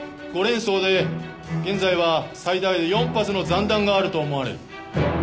５連装で現在は最大で４発の残弾があると思われる。